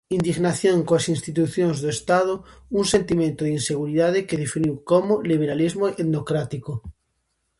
Indignación coas institucións do Estado, un sentimento de inseguridade que definiu como "liberalismo etnocrático".